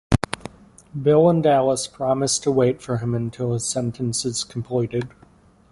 Bill and Alice promise to wait for him until his sentence is completed.